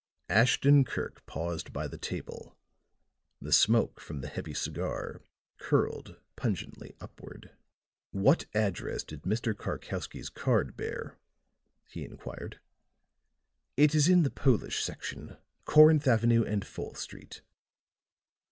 Ashton Kirk paused by the table; the smoke from the heavy cigar curled pungently upward. "What address did Mr. Karkowsky's card bear?" he inquired. "It is in the Polish section. Corinth Avenue and Fourth Street."